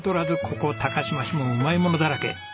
ここ高島市もうまいものだらけ。